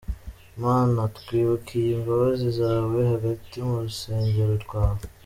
Mana, twibukiye imbabazi zawe, Hagati mu rusengero rwawe.